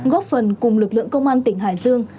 góp phần cùng lực lượng công an tỉnh hải dương